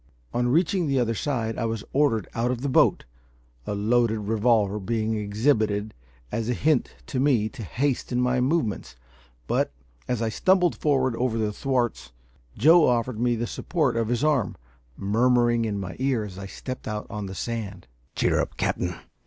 On reaching the other side I was ordered out of the boat, a loaded revolver being exhibited as a hint to me to hasten my movements; but, as I stumbled forward over the thwarts, Joe offered me the support of his arm, murmuring in my ear, as I stepped out on the sand "Cheer up, cap'n!